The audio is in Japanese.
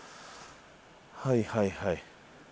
はいはいはい。